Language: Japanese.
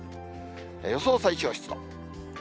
予想最小湿度。